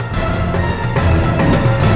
jangan lupa joko tingkir